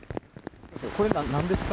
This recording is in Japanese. これなんですか？